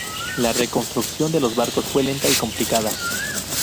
La reconstrucción de los barcos fue lenta y complicada.